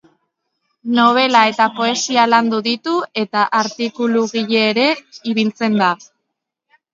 Nobela eta poesia landu ditu, eta artikulugile ere ibiltzen da.